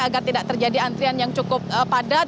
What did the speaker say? agar tidak terjadi antrian yang cukup padat